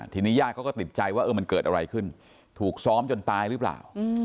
ทีนี้ญาติเขาก็ติดใจว่ามันเกิดอะไรขึ้นถูกซ้อมจนตายหรือเปล่า